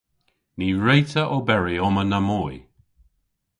Ny wre'ta oberi omma namoy.